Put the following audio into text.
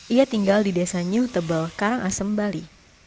ia tinggal di desa nyuh tebel karangasem bali